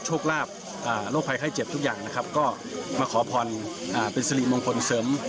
โชคลาภโรคภัยไข้เจ็บทุกอย่างนะครับก็มาขอพรเป็นสิริมงคลเสริม